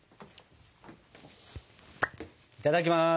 いただきます。